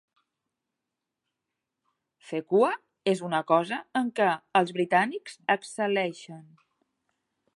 Fer cua és una cosa en què els britànics excel·leixen.